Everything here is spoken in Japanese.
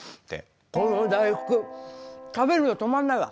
この大福食べるの止まんないわ。